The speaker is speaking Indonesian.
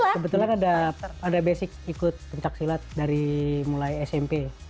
sebetulnya kan ada basic ikut pencak silat dari mulai smp